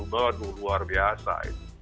waduh luar biasa